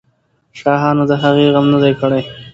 شاهانو د هغې غم نه دی کړی.